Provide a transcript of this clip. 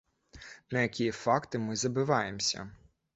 На якія факты мы забываемся?